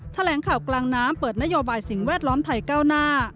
แถลงข่าวกลางน้ำเปิดนโยบายสิ่งแวดล้อมไทยก้าวหน้า